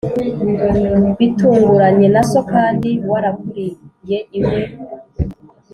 bitunguranye na so, kandi warakuriye iwe n